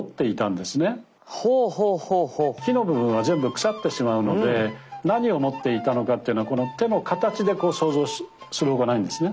木の部分は全部腐ってしまうので何を持っていたのかっていうのはこの手の形で想像する他ないんですね。